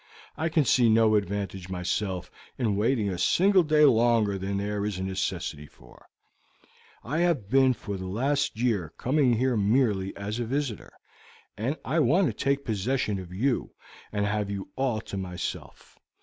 I can see no advantage myself in waiting a single day longer than there is a necessity for; I have been for the last year coming here merely as a visitor, and I want to take possession of you and have you all to myself.